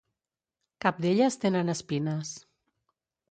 Cap d'elles tenen espines.